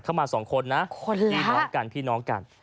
เข้ามา๒คนนะพี่น้องกัน